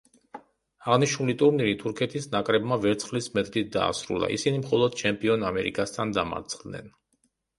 აღნიშნული ტურნირი თურქეთის ნაკრებმა ვერცხლის მედლით დაასრულა; ისინი მხოლოდ ჩემპიონ ამერიკასთან დამარცხდნენ.